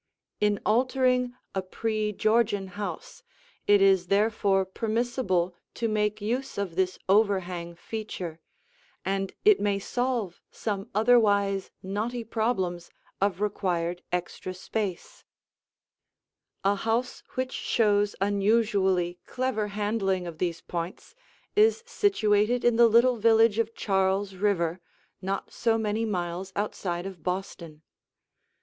In altering a pre Georgian house, it is therefore permissible to make use of this overhang feature, and it may solve some otherwise knotty problems of required extra space. [Illustration: Before Remodeling] A house which shows unusually clever handling of these points is situated in the little village of Charles River, not so many miles outside of Boston.